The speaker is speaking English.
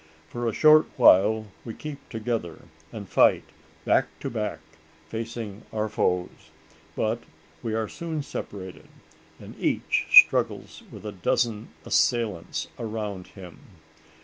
For a short while we keep together, and fight, back to back, facing our foes. But we are soon separated; and each struggles with a dozen assailants around him!